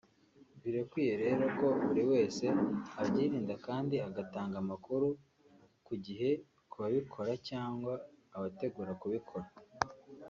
Birakwiye rero ko buri wese abyirinda kandi agatanga amakuru ku gihe ku babikora cyangwa abategura kubikora